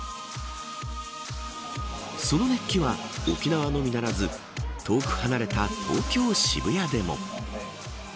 その熱気は沖縄のみならず遠く離れた東京・渋谷でも。